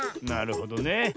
なるほどね。